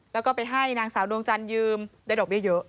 แล้วก็ไปให้นางสาวดวงจันทร์ยืมได้ดอกเบี้ยเยอะ